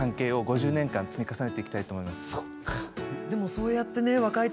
そっか。